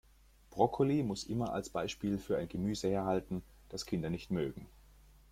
Brokkoli muss immer als Beispiel für ein Gemüse herhalten, das Kinder nicht mögen.